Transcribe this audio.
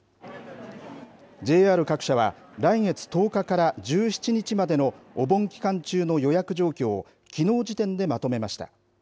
ＪＲ各社は来月１０日から１７日までのお盆期間中の予約状況をきのう時点でまとめました。